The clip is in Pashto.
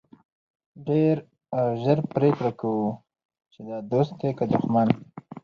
ډېر ژر پرېکړه کوو چې دا دوست دی که دښمن.